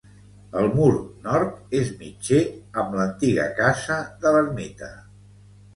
El mur nord és mitger amb l'antiga casa de l'ermita.